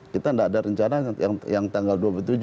kita tidak ada rencana yang tanggal dua puluh tujuh